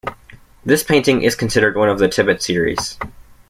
This painting is considered one of the "Tibet Series".